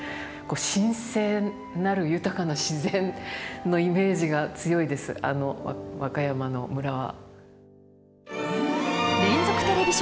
神聖なる豊かな自然のイメージが強いです和歌山の村は。